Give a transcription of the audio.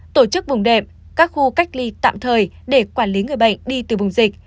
tổ chức vùng đệm các khu cách ly tạm thời để quản lý người bệnh đi từ vùng dịch